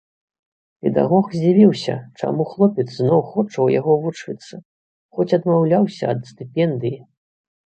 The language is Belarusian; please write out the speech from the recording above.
Педагог здзівіўся, чаму хлопец зноў хоча ў яго вучыцца, хоць адмаўляўся ад стыпендыі.